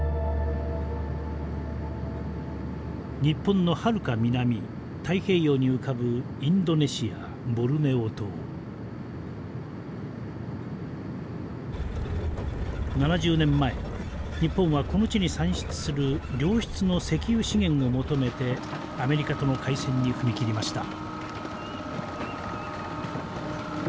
日本のはるか南太平洋に浮かぶ７０年前日本はこの地に産出する良質の石油資源を求めてアメリカとの開戦に踏み切りました。